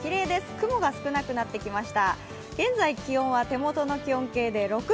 雲が少なくなってきました。